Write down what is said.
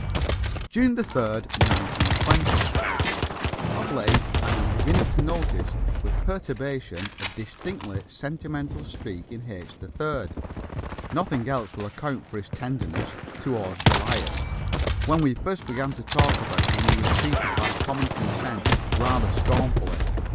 JUNE 3, 1920. Of late I am beginning to notice with perturbation a distinctly sentimental streak in H. 3rd. Nothing else will account for his tenderness toward Goliath. When we first began to talk about him he was treated by common consent rather scornfully.